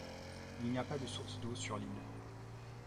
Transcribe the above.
Il n'y a pas de sources d'eau sur l'île.